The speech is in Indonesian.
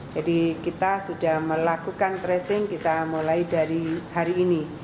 jadi kita sudah melakukan tracing kita mulai dari hari ini